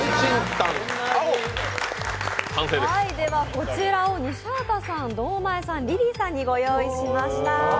こちらを西畑さん、堂前さんリリーさんにご用意しました。